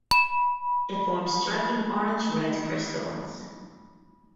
It forms striking orange red crystals.